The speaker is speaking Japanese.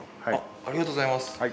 ありがとうございます。